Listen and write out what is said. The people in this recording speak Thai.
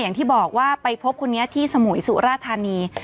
อย่างที่บอกว่าไปพบคนนี้ที่สมุยสุราธานี